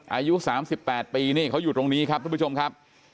อายุ๓๘ปีนี่เขาอยู่ตรงนี้ครับทุกผู้ชมครับ